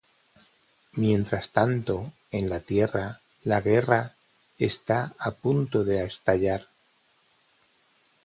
Mientras tanto en la Tierra la guerra está a punto de estallar.